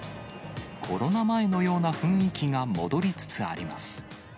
コロナ前のような雰囲気が戻りつつあります。